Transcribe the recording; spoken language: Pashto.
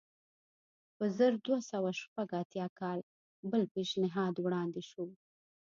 په زر دوه سوه شپږ اتیا کال بل پېشنهاد وړاندې شو.